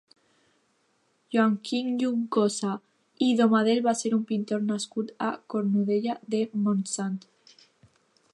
Joaquim Juncosa i Domadel va ser un pintor nascut a Cornudella de Montsant.